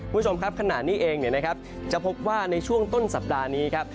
คุณชมครับขณะนี้เองเนี่ยนะครับจะพบว่าในช่วงต้นสัปดาห์นี้ครับ